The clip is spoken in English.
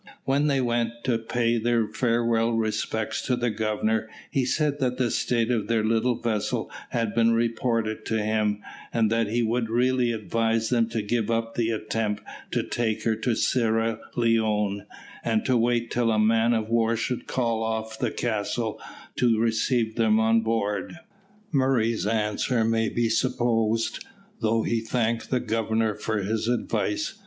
When they went to pay their farewell respects to the Governor, he said that the state of their little vessel had been reported to him, and that he would really advise them to give up the attempt to take her to Sierra Leone, and to wait till a man of war should call off the castle to receive them on board. Murray's answer may be supposed, though he thanked the Governor for his advice.